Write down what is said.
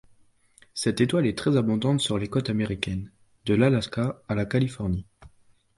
Cette étoile est très abondantes sur les côtes américaines, de l'Alaska à la Californie.